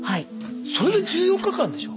それで１４日間でしょ？